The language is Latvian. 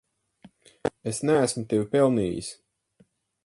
Es neesmu tevi pelnījis.